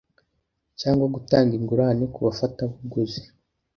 cyangwa gutanga ingurane ku bafatabuguzi